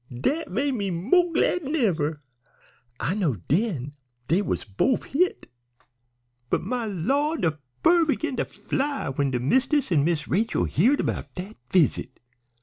Dat made me mo' glad 'n ever. I knowed den dey was bofe hit. "But my lah', de fur begin to fly when de mist'ess an' Miss Rachel heared 'bout dat visit!